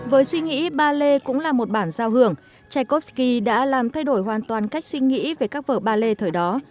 với suy nghĩ ballet cũng là một bản giao hưởng tchaikovsky đã làm thay đổi hoàn toàn cách suy nghĩ về các vở ballet thời đó